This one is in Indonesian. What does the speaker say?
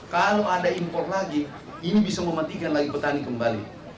kalau ada impor lagi ini bisa mematikan lagi petani kembali